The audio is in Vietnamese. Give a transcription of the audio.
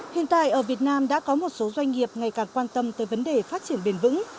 hiện tại ở việt nam đã có một số doanh nghiệp ngày càng quan tâm tới vấn đề phát triển bền vững